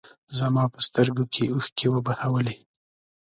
زما په سترګو کې اوښکې وبهولې.